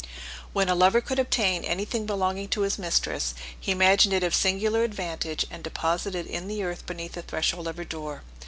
When a lover could obtain any thing belonging to his mistress, he imagined it of singular advantage, and deposited in the earth beneath the threshold of her door.